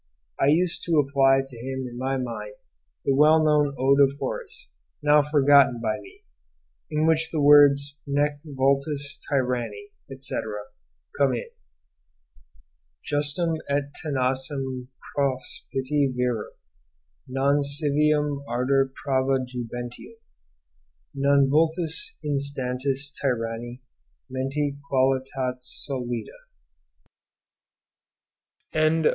I used to apply to him in my mind the well known ode of Horace, now forgotten by me, in which the words "nec vultus tyranni,* etc.," come in. * Justum et tenacem propositi virum Non civium ardor prava jubentium Non vultus instantis tyranni Mente quatit solida. CAMBRIDGE 1828 1831.